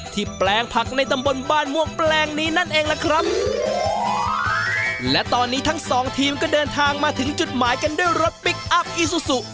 แปลงผักในตำบลบ้านม่วงแปลงนี้นั่นเองล่ะครับและตอนนี้ทั้งสองทีมก็เดินทางมาถึงจุดหมายกันด้วยรถพลิกอัพอีซูซู